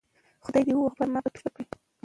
خدای دي ووهه پر ما به توره شپه کړې